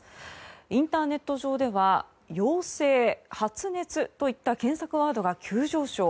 インターネット上では「陽性」、「発熱」といった検索ワードが急上昇。